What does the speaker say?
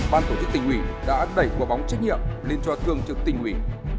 ban tổ chức tỉnh ủy đã đẩy quả bóng trách nhiệm lên cho thường trực tỉnh ủy